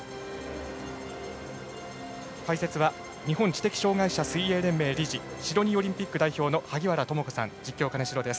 解説は日本知的障がい水泳連盟理事シドニーオリンピック代表の萩原智子さん、実況は金城です。